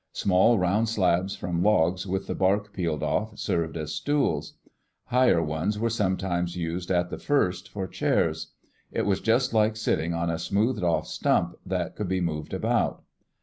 Small round slabs from logs, with the bark peeled off, served as stools. Higher ones were sometimes used at the first, for chairs. It was just like sitting on a smoothed off stump that could be moved about.